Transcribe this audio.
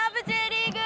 Ｊリーグ』。